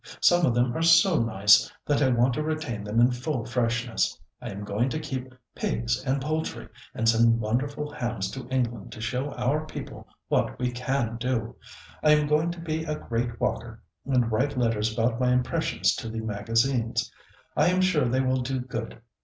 "Some of them are so nice, that I want to retain them in full freshness. I am going to keep pigs and poultry and send wonderful hams to England to show our people what we can do. I am going to be a great walker, and write letters about my impressions to the magazines. I am sure they will do good.